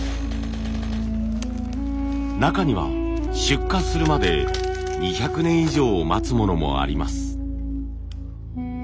中には出荷するまで２００年以上待つものもあります。